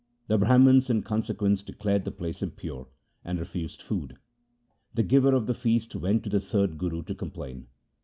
The Brahmans in consequence declared the place impure, and refused food. The giver of the feast went to the third Guru to complain.